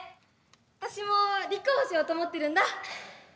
私も立候補しようと思ってるんだ。